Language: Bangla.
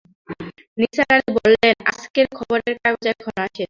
নিসার আলি বললেন, আজকের খবরের কাগজ এখনো আসে নি।